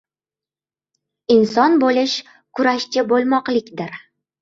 Inson bo‘lish — kurashchi bo‘lmoqlikdir.